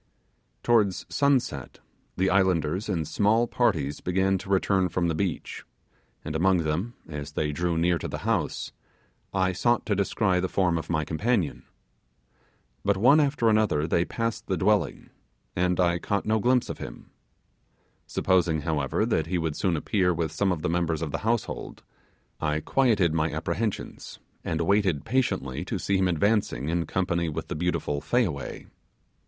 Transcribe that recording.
Towards sunset the islanders in small parties began to return from the beach, and among them, as they drew near to the house, I sought to descry the form of my companion. But one after another they passed the dwelling, and I caught no glimpse of him. Supposing, however, that he would soon appear with some of the members of the household, I quieted my apprehensions, and waited patiently to see him advancing in company with the beautiful Fayaway.